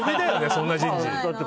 そんな人事。